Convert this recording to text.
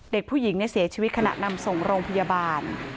เด็กผู้หญิงเสียชีวิตขณะนำส่งโรงพยาบาล